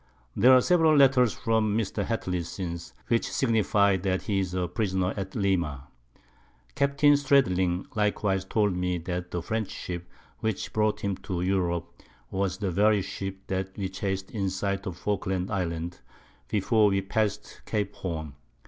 There are several Letters from Mr. Hatley since, which signify that he is a Prisoner at Lima. Capt. Stradling likewise told me that the French Ship, which brought him to Europe, was the very Ship that we chas'd in sight of Falkland Island, before we passed Cape Horn.